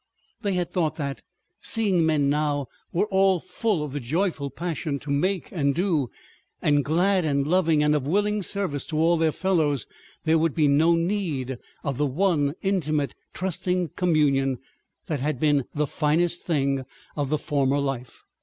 They had thought that, seeing men now were all full of the joyful passion to make and do, and glad and loving and of willing service to all their fellows, there would be no need of the one intimate trusting communion that had been the finest thing of the former life.